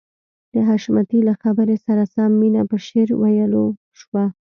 د حشمتي له خبرې سره سم مينه په شعر ويلو شوه.